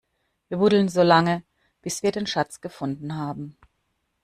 Wir buddeln so lange, bis wir den Schatz gefunden haben!